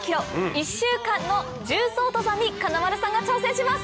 １週間の縦走登山に金丸さんが挑戦します！